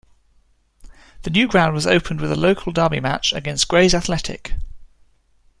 The new ground was opened with a local derby match against Grays Athletic.